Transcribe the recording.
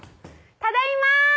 「ただいま！」